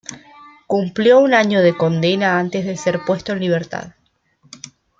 Cumplió un año de condena antes de ser puesto en libertad.